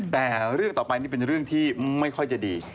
แต่เรื่องต่อไปนี่เป็นเรื่องที่ไม่ค่อยจะดี